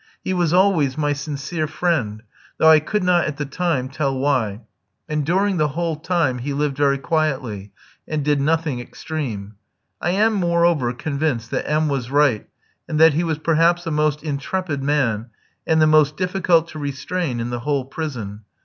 He was always my sincere friend, though I could not at the time tell why, and during the whole time he lived very quietly, and did nothing extreme. I am moreover convinced that M was right, and that he was perhaps a most intrepid man and the most difficult to restrain in the whole prison.